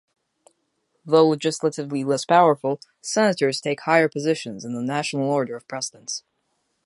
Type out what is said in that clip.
Though legislatively less powerful, senators take higher positions in the national order of precedence.